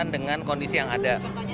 dengan kondisi yang ada